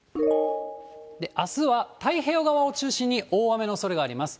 あすは、太平洋側を中心に、大雨のおそれがあります。